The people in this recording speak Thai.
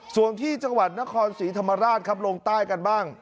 ส่วนที่จังหวัดนครศรีธรรมราชครับลงใต้กันบ้าง